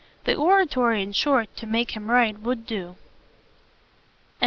The Oratory in short, to make him right, would do.